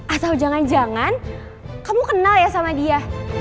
atau jangan jangan kamu kenal ya sama dia